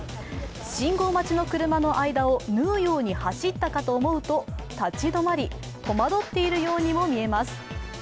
信号待ちの車の間を縫うように走ったかと思うと、立ち止まり、戸惑っているようにも見えます。